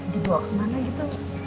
dibawa kemana gitu